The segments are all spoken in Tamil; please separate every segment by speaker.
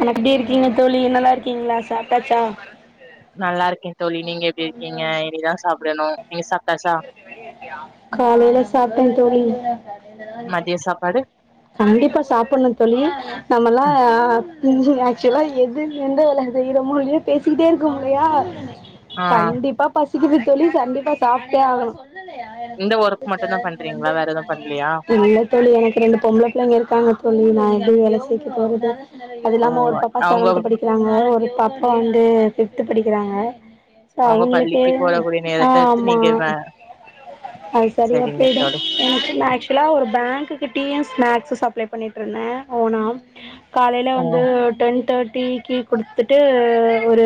Speaker 1: அண் எப்டி இருக்கீங்க தோழி நல்லாருக்கீங்ளா சாப்ட்டாச்சா
Speaker 2: நல்லா இருக்கே தோழி நீங்க எப்டி இருக்கீங்க இனி தா சாப்டணு நீங்க சாப்ட்டாசா
Speaker 1: காலைல சாப்ட்டே தோழி
Speaker 2: மதிய சாப்பாடு
Speaker 1: கண்டிப்பா சாப்பட்ணு தோழி நம்மல்லா [unintelligible] ஆக்சுலா எது எந்த வேலைய செய்யறமோ இல்லியோ பேசிக்கிட்டே இருக்கோ இல்லையா
Speaker 2: ஆ
Speaker 1: கண்டிப்பா பசிக்குது தோழி கண்டிப்பா சாப்ட்டே ஆகணு
Speaker 2: இந்த ஒர்க் மட்டுந்தா பண்றீங்களா வேற எதுவு பண்லையா
Speaker 1: இல்ல தோழி எனக் ரெண்டு பொம்பள புள்ளைங்க இருக்காங்க தோழி நா எப்டி வேல செய்க்க போறது அது
Speaker 2: ஓ
Speaker 1: இல்லாம ஒரு பாப்பா
Speaker 2: அவங்க
Speaker 1: செவன்த்து படிக்கிறாங்க ஒரு பாப்பா வந்து ஃபிஃப்த்து படிக்கிறாங்க சோ
Speaker 2: அவங்க
Speaker 1: அவுங்களுக்கு
Speaker 2: பள்ளிக்கு போடக்கூடிய
Speaker 1: ஆ
Speaker 2: நேரத்த எடுத்து
Speaker 1: ஆமா
Speaker 2: நீங்க வே
Speaker 1: அது சரியா
Speaker 2: சரிங்க
Speaker 1: போய்டு
Speaker 2: தோழி
Speaker 1: [inaudible] ஆக்ஸுலா ஒரு பேங்க்கு டீயு, ஸ்நாக்ஸு சப்ளே பண்ணிட்ருந்தே ஓனா காலைல
Speaker 2: ஓ
Speaker 1: வந்து டென் தேட் டிக்கு குடுத்துட்டு ஒரு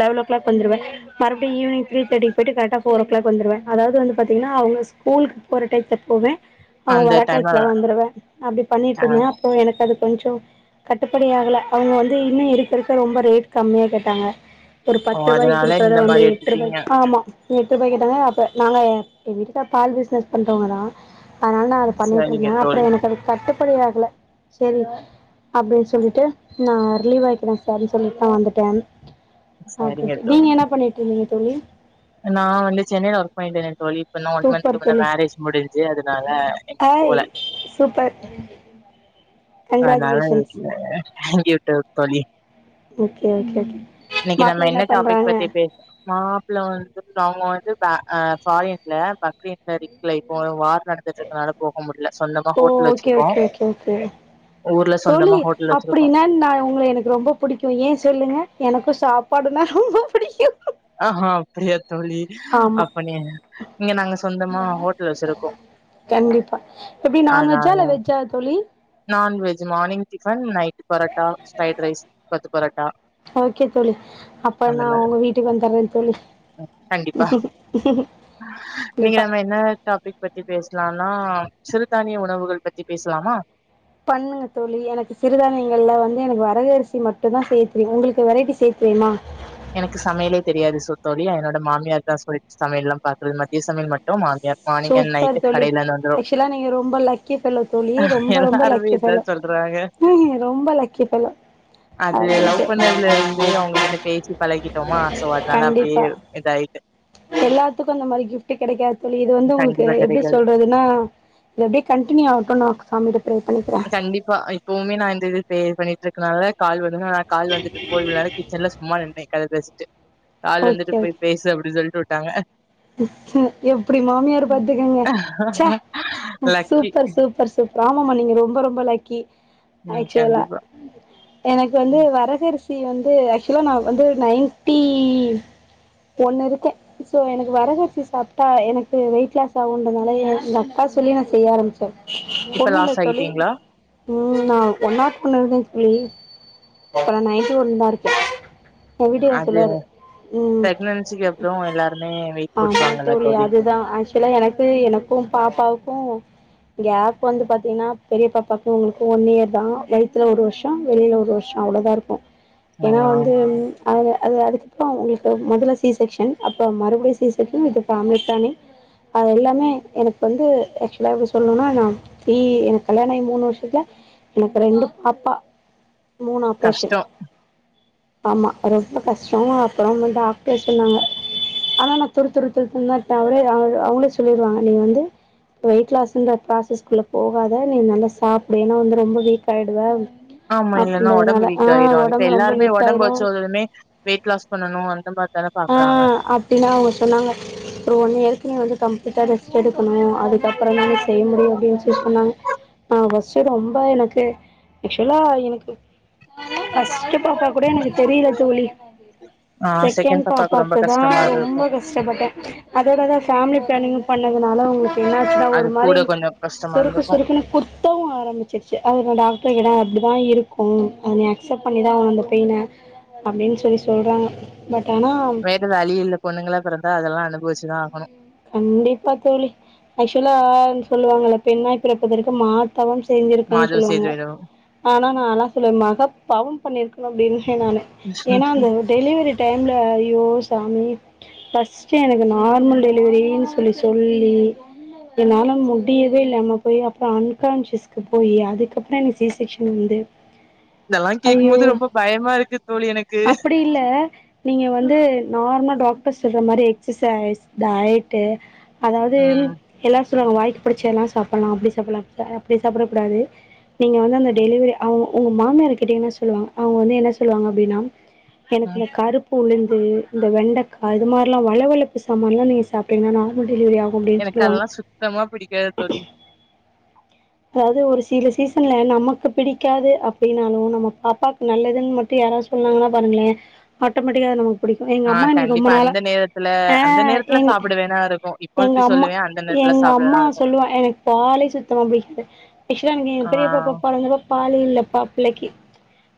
Speaker 1: லெவளோ க்ளாக் வந்துருவே மறுபடி ஈவினிங் த்ரீ தேட்டிக் போய்ட்டு கரெட்டா ஃபோரோ க்ளாக் வந்துருவே அதாது வந்து பாத்தீங்ன்னா அவங்க ஸ்கூல் போற டைத்ல போவே அவங்
Speaker 2: அந்த
Speaker 1: வர
Speaker 2: டைம
Speaker 1: டைத்ல வந்துருவே அப்டி
Speaker 2: ஆ
Speaker 1: பண்ணிட்ருந்தே அப்றோ எனக் அது கொஞ்சோ கட்டுப்படி ஆகல அவுங்க வந்து இன்னு இருக்கிருக்க ரொம்ப ரேட் கம்மியா கேட்டாங்க ஒரு
Speaker 2: ஓ
Speaker 1: பத்துருவாய்க்கு
Speaker 2: அதனால
Speaker 1: குடுக்கறத
Speaker 2: இந்த
Speaker 1: வந்து
Speaker 2: மாரி எடுத்துட்டீங்க
Speaker 1: எட்ருபாய்க் ஆமா எட்ருபாய்க் கேட்டாங்க அப்ப நாங்க எ எங்க வீட்டுக்கார் பால் பிஸ்னஸ் பண்றவுங்க தா அதுனால் நா அத
Speaker 2: சரிங்க
Speaker 1: பண்ணிட்ருந்தே
Speaker 2: தோழி
Speaker 1: அப்றோ எனக்கு அது கட்டுப்படி ஆகல செரி அப்டி சொல்லிட்டு நா ரிலீவ் ஆய்க்கிறே சாருன் சொல்லி நா வந்துட்டே ஆ
Speaker 2: சரிங்க
Speaker 1: கிட்டு நீங்க
Speaker 2: தோழி
Speaker 1: என்ன பண்ணிட்ருந்தீங்க தோழி
Speaker 2: நா வந்து சென்னைல வொர்க் பண்ணிட்ருந்தே தோழி இப்ப நா ஒன் மன்த்துக்கு
Speaker 1: சூப்பர்
Speaker 2: முன்ன
Speaker 1: தோழி
Speaker 2: மேரேஜ் முடிஞ்ச்சி அதுனால இன்னு
Speaker 1: ஹாய்
Speaker 2: போல
Speaker 1: சூப்பர்
Speaker 2: அதுனால
Speaker 1: கங்ராஜுலேஷன்ஸ்
Speaker 2: இல்ல [unintelligible] உட்டே தோழி
Speaker 1: ஓகே ஓகே ஓகே
Speaker 2: இன்னைக்கு நம்ம
Speaker 1: மாப்ள
Speaker 2: என்ன டாப்பிக்
Speaker 1: பண்றாங்க
Speaker 2: பத்தி பேஸ் மாப்பிள்ள வந்து அவுங்க வந்து பே அ ஃபாரின்ல பக்ரைன்ல [inaudible] போ வார் நடந்துட்ருக்கனால போக முடியில சொந்தமா
Speaker 1: ஓ
Speaker 2: ஹோட்டல்
Speaker 1: ஓகே
Speaker 2: வெச்சிருக்கோ
Speaker 1: ஓகே ஓகே ஓகே தோழி அப்டின்னா நா உங்கள எனக்கு ரொம்ப புடிக்கு ஏ சொல்லுங்க எனக் க்கு சாப்பாடுனா ரொம்ப புடிக்கு
Speaker 2: ஆஹா அப்டியா தோழி
Speaker 1: ஆமா
Speaker 2: அப்படியா இங்க நாங்க சொந்தமா ஹோட்டல் வச்சிருக்கோ
Speaker 1: கண்டிப்பா எப்டி நான்வெஜ்ஜா
Speaker 2: அதனால
Speaker 1: இல்ல வெஜ்ஜா தோழி
Speaker 2: non veg morning tiffin night parotta fried rice கொத்து பரோட்டா
Speaker 1: ஓகே தோழி அப்ப
Speaker 2: அந்த
Speaker 1: நா
Speaker 2: மாரி
Speaker 1: உங்க வீட்டுக்கு வந்துட்றே தோழி
Speaker 2: கண்டிப்பா இன்னைக்கி
Speaker 1: கண்டிப்பா
Speaker 2: நம்ம என்ன டாப்பிக் பிக் பத்தி பேசலான்னா சிறுதானிய உணவுகள் பத்தி பேசலாமா
Speaker 1: பண்ணுங்க தோழி எனக்கு சிறுதானியங்கள்ல வந்து எனக்கு வரகரிசி மட்டுந்தா செய்ய தெரியு உங்களுக்கு வெரைட்டி செய்ய தெரியுமா
Speaker 2: ட மாமியார் தா சொல்லிட்டு சமையல்லா பாக்குறது மதிய சமையல் மட்டு மாமி யா மார்னிங் அண்ட நைட்
Speaker 1: சூப்பர் தோழி
Speaker 2: கடைல இருந்து வந்துரு
Speaker 1: ஆக்சுவலா நீங்க ரொம்ப லக்கி ஃபெல்லோ தோழி
Speaker 2: எல்லாருமே இதா சொல் றாங்க
Speaker 1: நீங்க ரொம்ப லக்கி பெல்லோ
Speaker 2: அது லவ் பண்ணதுல இருந்தே அவங்ககிட்ட பே சி பழகிட்டோமா சோ அதனால அப்டியே இதாயிட்டு
Speaker 1: எல்லாத்துக்கும் அந்த மாரி கிஃப்ட் கெடைக்காது தோழி இது வந்து உங்களுக்கு
Speaker 2: கண்டிப்பா
Speaker 1: எப்டி
Speaker 2: கெடைக்காது
Speaker 1: சொல்றதுன்னா இது அப்டியே கண்ட்டினியூ ஆவட்டுனு நா சாமிட்ட ப்ரே பண்ணிக்கிறே
Speaker 2: கண்டிப்பா இப்பவுமே நா இந்த இது பே பண்ணிட்டு இருக்கனால கால் வந் னால கால் வந்துட்டு போது வேற கிச்சன்ல சும்மா நின்னு கத பேச கால் வந்துட்டு
Speaker 1: ஓகே ஓகே
Speaker 2: போய் பேசு அப்படின்னு சொல்லிட்டு வுட்டாங்க
Speaker 1: எப்டி மாமியார் பாத்துக்கங்க
Speaker 2: லக்கி
Speaker 1: சூப்பர் சூப்பர் சூப்பர் ஆமாமா நீங்க ரொம்ப ரொம்ப லக்கி
Speaker 2: ம்
Speaker 1: ஆக்ஸ்வலா
Speaker 2: கண்டிப்பா
Speaker 1: எனக்கு வந்து வரகரிசி தி வந்து ஆக்சுவலா நா வந்து நயன்டி ஒன் இருக்கே சோ எனக் வரகரிசி சாப்பிட்டா எனக்கு வெயிட் லாஸ் ஆகுன்றனால எனக்கு எங் அக்கா சொல்லி நா செய்ய ஆரம்பிச்சே
Speaker 2: இப்ப
Speaker 1: ஒண்ணு இல்ல
Speaker 2: லாஸ்
Speaker 1: தோழி
Speaker 2: ஆகிட்டீங்களா
Speaker 1: ம் நா ஒன் நாட் ஒன் இருந்தே தோழி இப்ப நா நயன்டி ஒன் தா இருக்கே எ வீட்டுக்காரு
Speaker 2: அது
Speaker 1: சொல்லுவாரு ம்
Speaker 2: பிரெக்னன்சிக்கு அப்புறோ எல்லாருமே வெயிட்
Speaker 1: ஆமா
Speaker 2: போட்டுருவாங்கல்ல
Speaker 1: தோழி அதுதா ஆக்சுவலா எனக்கு எனக்கும் பாப்பாவுக்கு கேப் வந்து பாத்தீங்கன்னா பெரிய பாப்பாக்கு இவங்களுக்கு ஒன் இயர் தா வயித்துல ஒரு வருஷோ வெளில ஒரு வருஷம் அவ்ளோதா இருக்கு
Speaker 2: ஆ
Speaker 1: ஏன்னா வந்து அது அதுக்கப்பறோ உங்களுக்கு மொதல்ல சி செக்க்ஷன் அப்ப மறுபடியு சி திருப்பியு இது ஃபேமிலி பிளானிங் அது எல்லாமே எனக்கு வந்து ஆக்சுவலா எப்படி சொல்லணுன்னா நா தி எனக்கு கல்யாண ஆகி மூணு வருஷத்துல எனக்கு ரெண்டு பாப்பா மூணு ஆப்ரேஷன்
Speaker 2: கஷ்டோ
Speaker 1: ஆமா ரொம்ப கஷ்டோ அப்பறம் டாக்டரே சொன்னாங்க ஆனா துரு துரு துருனுதா இருப்ப அவரே அவ அவங்களே சொல்லிடுவாங்க நீங்க வந்து வெயிட் லாஸ்ன்ற ஃப்ராசஸ்குள்ள போகாத நீ நல்லா சாப்புடு ஏன்னா வந்து ரொம்ப வீக் ஆயிடுவ
Speaker 2: ஆமா இல்லன்னா ஒடம்பு
Speaker 1: அப்டின்றதுனால ஆ
Speaker 2: வீக் ஆயிரு இப்ப
Speaker 1: ஒடம்பு ரொம்ப
Speaker 2: எல்லாருமே
Speaker 1: வீக்
Speaker 2: ஒடம்ப
Speaker 1: ஆயிரு
Speaker 2: வச்ச ஒருத்தருமே வெயிட் லாஸ் பண்ணணு அந்த மாரிதான
Speaker 1: ஆ அப்டின்னு அவங்க சொன்னாங்க அப்றோ ஒன் இயர் நீ வந்து கம்ப்ளீட்டா ரெஸ்ட் எடுக்கணு அதுக்கப்பறந்தா நீ செய்ய முடியு அப்படின்னு சொல்லி சொன்னாங்க நா ஃபர்ஸ்ட் ரொம்ப எனக்கு ஆக்சுவலா எனக்கு ஃபஸ்ட் பாப்பா கூட எனக்கு தெரியல தோழி
Speaker 2: ஆ
Speaker 1: செ செகண்ட்
Speaker 2: ரொம்ப
Speaker 1: பாப்பாக்கு தா
Speaker 2: கஷ்டமா இருக்கு
Speaker 1: ரொம்ப கஷ்டப்பட்டே அதோட அதா ஃபேமிலி பிளானிங் பண்ணதுனால அ வந் து என்னாச்சுனா ஒரு
Speaker 2: அது
Speaker 1: மாரி
Speaker 2: கூட கொஞ்சோ கஷ்டமா
Speaker 1: சுருக்கு
Speaker 2: இருந்துக்கு
Speaker 1: சுருக்குன்னு குத்தவு ஆரம்பிச்சிருச்சு அது நா டாக்டர்ட கேட்டா அப்டி தா இருக்கு அத நீ அக்சப்ட் பண்ணி தா ஆகணு அந்த பெயின அப்டின்னு சொல்லி சொல்கறாங்க பட் ஆனா
Speaker 2: வேற வழியே இல்ல பொண்ணுங்களா பொறந்தா அதெல்லா அனுபவச்சுதா ஆகணு
Speaker 1: கண்டிப்பா தோழி ஆக்சுவலா சொல்லுவாங்கல்ல பெண்ணாய் பிறப்பதற்கு மா தவம் செஞ்சிருக்கன்
Speaker 2: மாதவ சேது
Speaker 1: சொல்லுவாங்க
Speaker 2: வேணு
Speaker 1: ஆனா நால்லா சொல்லுவே மகா பாவம் பண்ணிருக்கனோ அப்படின் சொன்னாங்க ஏன்னா அந்த டெலிவரி டைம் ல்ல ஐயோ சாமி் ஃபர்ஸ்ட் எனக்கு நார்மல் டெ லிவரின் சொல்லி சொல்லி என்னால முடியவே இல்லாம போய் அப்புற அன்கான்சியஸ்க்கு போய் அதுக்கப்புற எனக்கு சீசெக்ஷன் வந்து
Speaker 2: [inaudible] கேக்கும்
Speaker 1: ஐயோ
Speaker 2: போது ரொம்ப பயமா இருக்கு தோழி எனக்கு
Speaker 1: அப்படி இல்ல நீங்க வந்து நார்மல் டாக்ட் டாக்டர் சொல்ற மாரி எக்சசைஸ் டயட்டு அதாவது
Speaker 2: ம்
Speaker 1: எல்லா சொல்லுவாங்க வாய்கு புடிச்ச எல்லா சாப்டலா அப்படி சாப்பிலா அப்படி சாப்டக்கூடாது நீங்க வந்து அந்த டெலிவரி அவங்க உங்க மாமியார கேட்டீங்கன்னா சொல்லுவாங்க அவங்க வந்து என்ன சொல்லுவாங்க அப்படின்னா எனக்கு
Speaker 2: ம்
Speaker 1: இந்த கருப்பு உளுந்து இந்த வெண்டக்கா இது மாரில்லா வள வளப்பு சமான்லா நீங்க சாப்ட்டீங்கன்னா நார்மல் டெலிவரி ஆகு அப்படின்
Speaker 2: எனக்கு
Speaker 1: சொல்லுவாங்க
Speaker 2: அதெல்லா சுத்தமா பிடிக்காது தோழி
Speaker 1: அதாவது ஒரு சில சீசன்ல நமக்கு பிடிக்காது அப்படின்னாலு நம்ம பாப்பாக்கு நல்லதுன் மட்டு யாராவது சொன்னாங்கன்னா பாருங்களே ஆட்டோமேட்டிக்கா அது நமக்கு பிடிக்கு எங்க
Speaker 2: ஆ
Speaker 1: அம்மா என்னய ரொம்ப
Speaker 2: கண்டிப்பா
Speaker 1: நாளா
Speaker 2: அந்த நேரத்துல
Speaker 1: ஆ
Speaker 2: அந்த நேரத்துல
Speaker 1: எங்க
Speaker 2: சாப்பிட வேணா இருக்கு. இப்போ
Speaker 1: எங்க
Speaker 2: இப்டி
Speaker 1: அம்மா
Speaker 2: சொல்லுவே அந்த நேரத்துல
Speaker 1: எங்க
Speaker 2: சாப்பிட வேணா
Speaker 1: அம்மா
Speaker 2: இருக்கு.
Speaker 1: சொல்லுவா எனக்கு பாலே சுத் சுத்தமா பிடிக்காது ஆக்சுவலா எனக்கு எ
Speaker 2: ஆ
Speaker 1: பெரிய பாப்பா பொறந்தது பாலே இல்லப்பா பிள்ளைக்கு,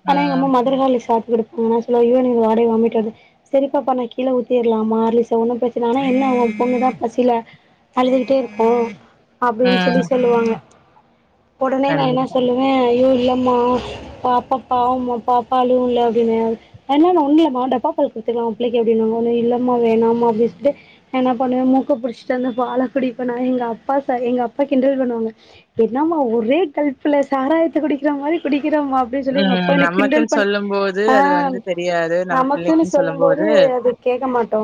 Speaker 1: ஆன எங்க
Speaker 2: ம்,
Speaker 1: அம்மா மதர்ஹார்லிக்ஸ் சாப் குடுப்பாங்க நா சொல்லுவே அய்யோ எனக்கு வாடையே வாமிட் வருது, சரி பாப்பா நா கீழ ஊத்திர்லாமா ஹார்லிக்ஸ் ஒன்னு பிரச்சன ஆனா என்ன ஒன் பொண்ணுதா பசில அழுதுகிட்டே இருக்கு அப்படின் சொல்லி
Speaker 2: ம்.
Speaker 1: சொல்லுவாங்க உடனே நா என்னா
Speaker 2: கண்டிப்பா.
Speaker 1: சொல்லுவே அய்யோ இல்லம்மா பாப்பா பாவம்மா பாப்பா அழுவுல அப்படின்ன அதனால ஒன்னு இல்லம்மா டப்பா பால் குடு த்துக்கலா பிள்ளைக்கு அப்படினாங்க இல்லமா வேணாமா மா பிஸ்டு என்ன பண்ணுவ மூக்க புடிச்சிட்டு அந்த பால குடிப்பனா எங்க அப்பா சார் எங்க அப்பா கிண்டல் பண்ணுவா என்னமா ஒரே கல்ப்ல சாராயத்த குடிக்கிற மாரி குடிக் கிரமா அப்படி சொல்லி எங்க
Speaker 2: ம்
Speaker 1: அப்பா என்ன கிண்டல்
Speaker 2: நமக்குன்னு
Speaker 1: பண்ணி
Speaker 2: சொல்லும்போது
Speaker 1: ஆ
Speaker 2: அது வந்து தெரியாது. நம்ம
Speaker 1: நமக்குன்
Speaker 2: பிள்ளைக்குன்னு
Speaker 1: சொல்லு போது
Speaker 2: சொல்லும்போது
Speaker 1: இது அது கேக்க மாட்டோ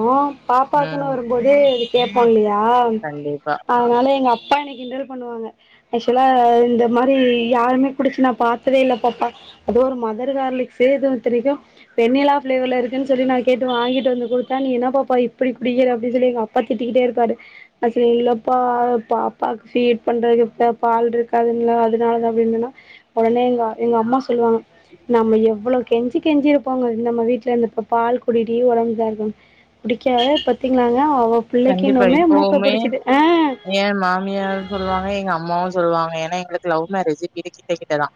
Speaker 2: ம்
Speaker 1: பாப்பாக்குன் வரும்போது அது கேட்போ இல்லயா
Speaker 2: கண்டிப்பா.
Speaker 1: அதனால எங்க அப் அப்பா என்ன கிண்டல் பண்ணுவாங்க ஆக்சுவலா இந்த மாரி யாருமே குடிச்சு நான் பாத்ததே இல்ல பாப்பா அது ஒரு மதர் ஹார்லிக்ஸு இதுவு இத்தனைக்கு வெண்ணிலா ஃபிளேவர்ல இருக்குன் சொல்லி நா கேட்டு வாங்கிட்டு வந்து குடு த நீ என்ன பாப்பா இப் எப்படி குடிக்கிற அப்படின் சொல்லி எங்க அப்பா திட்டிக்கிட்டே இருப்பாரு நா சொல்வே இல்லப்பா பாப்பாக்கு ஃபீட் பண்றதுக்கு ப்ப பால் இருக்காதுல்ல அதனால அப்டினன்னா உடனே எங்க எங்க அம்மா சொல்லுவாங்க நம்ம எவ்வளோ கெஞ்சி கெஞ்சிருப்போங்க நம்ம வீட்டுல இருந்து இப்ப பால் குடிடி உடம்பு இதா இருக்குனு குடி கேவ்ல பத்தீங்களாங்க
Speaker 2: கண்டிப்பா இப்பவுமே ஏன் மாமியாரு சொல்லுவாங்க எங்க அம்மாவு சொல்லுவாங்க ஏன்னா எங்களுக் லவ் மேரேஜ் வீடு கிட்ட கிட்டதா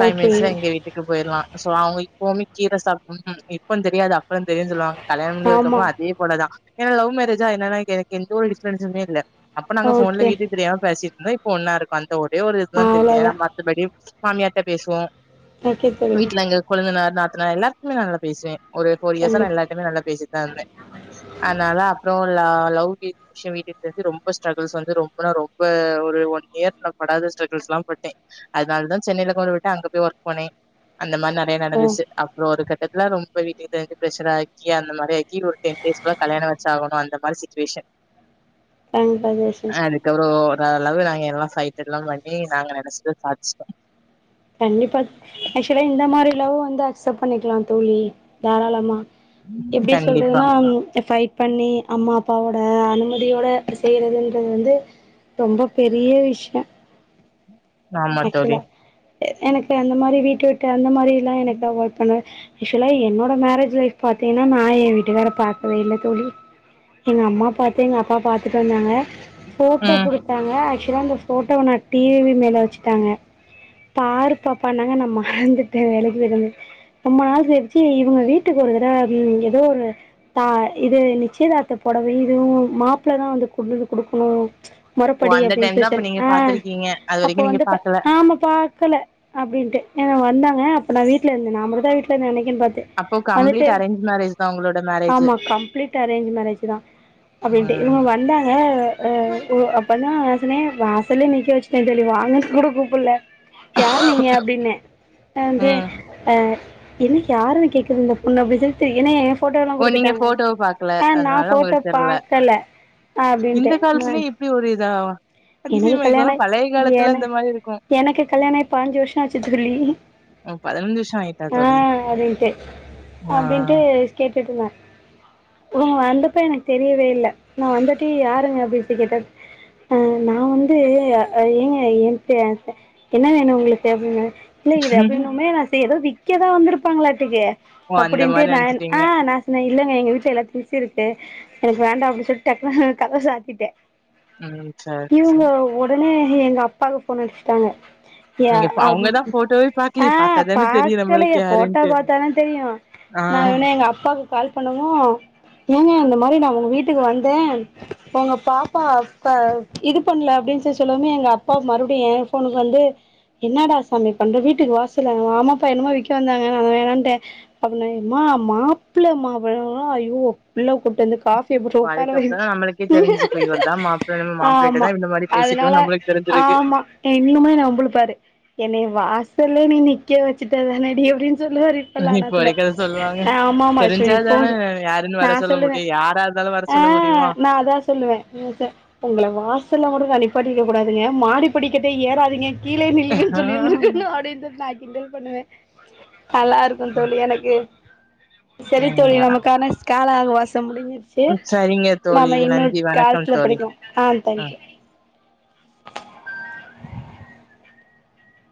Speaker 2: ஃபைவ்
Speaker 1: ஓகே
Speaker 2: மினிட்ஸ்ல எங்க வீட்டுக்கு போய்டலா சோ அவங்கயி கோமி கீர சாப்பனு இப்ப தெரியாது அப்புற தெரியுனு சொல்லுவாங்க கல்யாண முஞ்சதுக்க
Speaker 1: ஆமா
Speaker 2: அப்புற அதே போலதா ஏன்னா லவ் மேரேஜா என்னனா எனக்கு எந்த ஒரு டிப்ரன்ஸுமே இல்ல அப்ப நாங்க போன்ல
Speaker 1: ஓகே
Speaker 2: வீட்டு தெரியாம பேசிட் என்ன இப்ப ஒன்னா இருக்கோ அந்த ஒரே ஒரு
Speaker 1: ஆ
Speaker 2: இதுதா தெரியுது ஏன்னா
Speaker 1: அவ்வளோதான்
Speaker 2: மத்தபடி மாமியார்ட்ட பேசுவோ
Speaker 1: ஓகே தோழி
Speaker 2: வீட்டுல எங்க கொழுந்தனார் நாத்தனார் எல்லார்கிட்டயுமே நா நல்லா பேசுவே ஒரு ஃபோர் இயர்ஸ்ஸா நா
Speaker 1: கண்டிப்பா
Speaker 2: எல்லார்ட்டயுமே நல்லா பேசிட் தா இருந்தே அதனால [unintelligible] லவ் விஷய வீட்டுக் தெரிஞ்சு ரொம்ப ஸ்ட்ரகல்ஸ் வந்து ரொம்ப ரொம்ப ஒரு ஒன் இயர் [unintelligible] இல்லாத ஸ்ட்ரகல்ஸ்ல்லா பட்டே அதனால தா சென்னைல கொண்டு விட்டு அங்க போய் ஒர்க் போனே அந்த மாரி நெறய
Speaker 1: ம்
Speaker 2: நடந்துச்சு அப்புற ஒரு கட்ட எல்லா ரொம்ப வீட்டுக்கு தெரிஞ்சு பிரச்சனை ஆக்கி அந்த மாரி ஆக்கி ஒரு டென் டேஸ்ல கல்யாண சாகணு அந்த மாரி சிச்சுவேஷன்
Speaker 1: பங்களலாதேஷி
Speaker 2: [unintelligible] நாங்க எல்லா சைட்டெல்லா பண்ணி நாங்க நெனைச்சத சாதிச்ட்டோ
Speaker 1: கண்டிப்பா ஆக்சுவலா இந்த மாரி லவ் வந்து அக்சப் பண்ணிக்கலா தோழி தாராளமா எப்டி
Speaker 2: கண்டிப்பா
Speaker 1: சொல்றதுன்னா ஃபைட் பண்ணி அம்மா அப்பாவோட அனுமதி யோட செய்றதுன்றது வந்து ரொம்ப பெரிய விஷ்யோ
Speaker 2: ஆமா தோழி
Speaker 1: ஆக்சுவலா எனக்கு அந்த மாரி வீட்ட விட்டு அந்த மாரில்லா எனக்கு அவாய்ட் பண்ண ஆக்சுவலா என்னோட மேரேஜ் லைஃப் பாத்தீங்கன்னா நா ஏன் வீட்டுக்கார பாக்கவே இல்ல தோழி எங்கம்மா பாத்து எங்க அப்பா பாத்துட்டு வந்தாங்க ஃபோட்டோ
Speaker 2: ம்
Speaker 1: குடுத்தாங்க ஆக்சுவலா இந்த ஃபோட்டோவ நா டிவி மேல வச்சுட்டாங்க பாரு பாப்பானாங்க நா மறந்துட்டே வேலைக்கு [unintelligible] ரொம்ப நாள் கழிச்சு இவங்க வீட்டுக்கு ஒரு தடவ வி எதோ ஒரு தா இது நிச்சயதார்த்த பொடவ இதுவு மாப்ளதா வந்து கொண்டுந்து குடுக்குணு
Speaker 2: ஓ அந்த டைம் தா அப்ப நீங்க பாத்துருக்கீங்க அது வரைக்கு நீங்க பாக்கல
Speaker 1: க்கல அப்டின்டே இவங்க வந்தாங்க அப்ப நா வீட்லந்தே நா மட்டு தா வீட்ல அன்னைக்கு கின் பாத்து
Speaker 2: அப்போ
Speaker 1: வந்துட்டு
Speaker 2: கம்ப்ளீட் அரேஞ்ச் மேரேஜ் தா உங்களோட மேரேஜு
Speaker 1: ஆமா கம்ப்ளீட் அரேஞ்ச் மேரேஜ் தா அப்டின்ட்டு
Speaker 2: ம்
Speaker 1: இவங்க வந்தாங்க அ இப்போ அப்பதா நா சொன்னே வாசல்லே நிக்க வச்சுட்டே சரி வாங்கன் கூட கூப்புல்ல யார் நீங்க அப்டின்னே அ வந்து
Speaker 2: ம்
Speaker 1: அ என்ன யாருன்னு கேக்குது இந்த பொண்ணு அப்டி சொல்ட்டு என்ன ஃபோட்டோலா
Speaker 2: ஓ நீங்க
Speaker 1: குடுத்துட்டாங்க
Speaker 2: போட்டோவ பாக்கல
Speaker 1: ஆ நா
Speaker 2: அதனால
Speaker 1: ஃபோட்டோ
Speaker 2: உங்களுக்கு தெர்ல
Speaker 1: பாக்கல அப்டின்ட்டு
Speaker 2: இந்த
Speaker 1: ந
Speaker 2: காலத்துலயு இப்டி ஒரு இதா
Speaker 1: எனக்கு
Speaker 2: அதிசயமா இருக்கலா
Speaker 1: கல்யாணாயி
Speaker 2: பழைய காலத்துல
Speaker 1: என
Speaker 2: இந்த மாரி இருக்கு
Speaker 1: எனக்கு கல்யாணாயி பாஞ்சு வர்ஷோ ஆச்சு தோழி
Speaker 2: ப்பா பதினஞ்சு வர்ஷோ ஆயிட்டா தோழி ஆ
Speaker 1: அப்டின்ட்டு கேட்டுட்ருந்தாங் இவுங் வந்தப்ப எனக்கு தெரியவே இல்ல நா வந்துட்டு யாருங்க அப்டின்ட்டு கேட்ட அ நா வந்து ஏங்க என் என்ட்ட என்ன வேணு உங்ளுக்கு அப்டின்ன இல்ல இது அப்டின்னுமே நா செய் க்க தா வந்திருப்பாங்களாட்டுக்கு
Speaker 2: ஓ அந்த
Speaker 1: அப்டின்ட்டு
Speaker 2: மாரி
Speaker 1: நா
Speaker 2: நெனச்சுட்டீங்க.
Speaker 1: ஆ நா இல்ங்க எங்க வீட்ல எல்லார்க் [unintelligible] சிருக்கு எனக்கு வேண்டா அப்டின்னு சொல்ட்டு டக்குன்னு கதவ சாத்திட்டே
Speaker 2: ம் சேர் சேரி
Speaker 1: [unintelligible] எங்க அப்பாக்கு ஃபோன் அடிச்சுட்டாங்க யா
Speaker 2: நீங்க இப்ப அவங்க
Speaker 1: கு
Speaker 2: தான் ஃபோட்டோவே
Speaker 1: ஆ
Speaker 2: பாக்கலயே! பாத்தாதானே தெரியும் நம்மளுக்கு
Speaker 1: பாக்கலயே ஃபோட்டா
Speaker 2: யாருன்ட்டு.
Speaker 1: பாத்தாதா தெரியு
Speaker 2: ஆ.
Speaker 1: நா ஒன்னே எங்க அப்பாக்கு கால் பண்ணவு ஏங்க இந் இது மாரி நா உங்க வீட்டுக்கு வந்தே உங்க பாப்பா ப இது பண்ல அப்டின் சொல்லி சொல்லவுமே எங்க அப்பா மறுபடியு என் ஃபோனுக்கு வந்து என்னடா சாமி பண்ற வீட்டுக்கு வாசல்ல ஆமாப்பா என்னுமோ விக்க வந்தாங்க நா அதா வேணான்ட்டே அப்புன்ன யம்மா மா மாப்ள மா [unintelligible] ஐயோ உள்ள கூட்டு வந்து காஃபி போட்டு ஒக்கார வை
Speaker 2: அதுக்கப்புறம் தான் நம்மளுக்கே தெரிஞ்சுக்கும். இவர் தான் மாப்பிள நம்ம மாப்பிள்ளைட்ட
Speaker 1: ஆமா
Speaker 2: தான் இந்த மாரி
Speaker 1: அதனால
Speaker 2: பேசிட்டோம்னு நம்மளுக்கு தெரிஞ்சிருக்கு.
Speaker 1: ஆமா இன்னுமே என்ன வம்புழுப்பாரு என்னைய வாசல்லே நீ நிக்க வச்சுட்ட தானடி அப்டின் சொல்லுவாரு இப்பல்லா நா
Speaker 2: இப்ப
Speaker 1: சொன்னே
Speaker 2: வரைக்கும் அத சொல்லுவாங்க.
Speaker 1: ஆமாமா
Speaker 2: தெரிஞ்சா
Speaker 1: [unintelligible]
Speaker 2: தானே
Speaker 1: இப்போவு சொ
Speaker 2: யாருன்னு
Speaker 1: நா
Speaker 2: வர சொல்ல
Speaker 1: சொல்லுவே
Speaker 2: முடியும். யாரா இருந்தாலும் வர
Speaker 1: ஆ
Speaker 2: சொல்ல முடியுமா?
Speaker 1: நா அதா சொல்லுவே [inaudible] உங்கள வாசல்ல கூட நா நிப்பாட்டி ருக்கக் கூடாதுங்க மாடி படிக்கடி கிட்ட ஏறாதீங்க கீழே நில்லுங்கன் சொல்லிருந்துருக்கணு அப்டின்ட்டு நா கிண்டல் பண்ணுவே நல்லாருக்கு தோழி எனக்கு
Speaker 2: ஆ.
Speaker 1: செரி தோழி நமக்கான கால அகவாஸ் சம் முடிஞ்சிருச்சு
Speaker 2: சரிங்க தோழி.
Speaker 1: நாம இன்னுன்
Speaker 2: நன்றி. வணக்கம்
Speaker 1: கால்த்துல
Speaker 2: தோழி.
Speaker 1: [unintelligible] ஆ
Speaker 2: ம்.
Speaker 1: தேங்க்யூ